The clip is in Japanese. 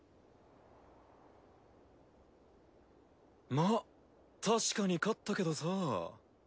まっ確かに勝ったけどさぁ。